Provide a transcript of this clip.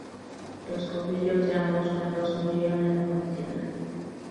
Los caudillos de ambos bandos murieron en la contienda.